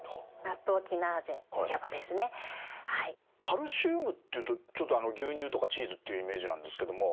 カルシウムっていうとちょっと牛乳とかチーズっていうイメージなんですけども。